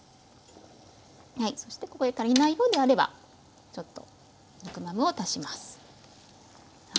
そしてここで足りないようであればちょっとヌクマムを足します。